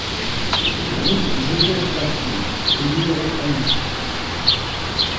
Rue Joseph Latil au numéro un